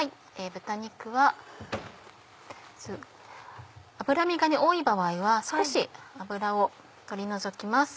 豚肉はまず脂身が多い場合は少し脂を取り除きます。